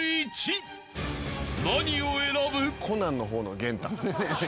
［何を選ぶ？］